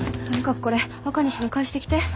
とにかくこれあかにしに返してきて。